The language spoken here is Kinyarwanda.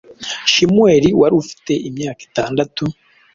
Shmuel wari ufite imyaka itandatu,